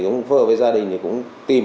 phương hợp với gia đình thì cũng tìm